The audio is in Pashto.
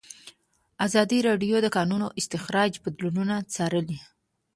ازادي راډیو د د کانونو استخراج بدلونونه څارلي.